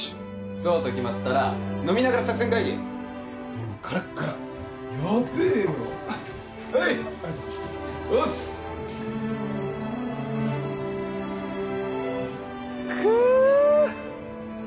そうと決まったら飲みながら作戦会議俺もうカラッカラヤベえよはいおっすありがとうクーッ！